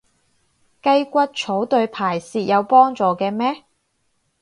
雞骨草對排泄有幫助嘅咩？